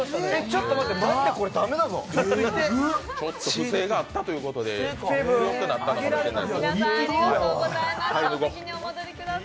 不正があったということで強くなったのかもしれない。